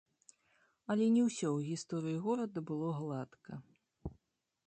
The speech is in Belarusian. Але не ўсе ў гісторыі горада было гладка.